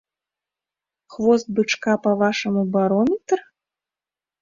Хвост бычка, па-вашаму, барометр?